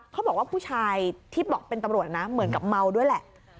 เขาบอกว่าผู้ชายที่บอกเป็นตำรวจนะเหมือนกับเมาด้วยแหละ